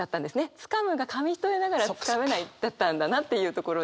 「掴む」が紙一重ながら掴めないだったんだなっていうところで。